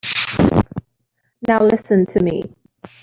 Now listen to me.